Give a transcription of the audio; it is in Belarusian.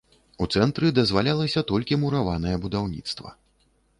У цэнтры дазвалялася толькі мураванае будаўніцтва.